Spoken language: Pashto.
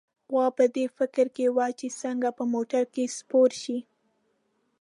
غوا په دې فکر کې وه چې څنګه په موټر کې سپور شي.